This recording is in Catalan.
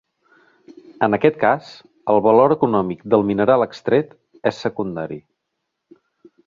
En aquest cas, el valor econòmic del mineral extret és secundari.